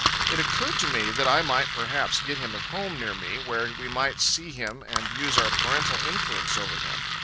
It occurred to me, that I might perhaps get him a home near me, where we might see him and use our parental influence over him.